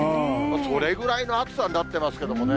それぐらいの暑さになってますけどもね。